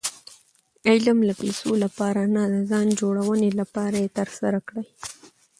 علم د پېسو له پاره نه، د ځان جوړوني له پاره ئې ترسره کړئ.